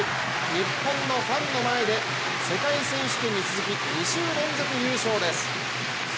日本のファンの前で世界選手権に続き２週連続優勝です。